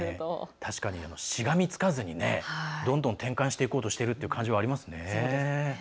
確かにしがみつかずにどんどん転換していこうということがうかがえますね。